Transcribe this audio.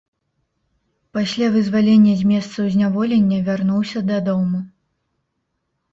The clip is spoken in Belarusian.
Пасля вызвалення з месцаў зняволення вярнуўся дадому.